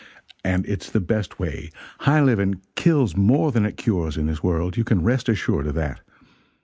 And it's the best way high living kills more than it cures in this world, you can rest assured of that.